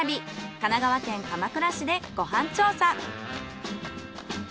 神奈川県鎌倉市でご飯調査。